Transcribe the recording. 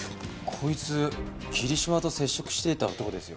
こいつ霧島と接触していた男ですよ。